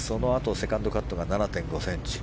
セカンドカットが７．５ｃｍ。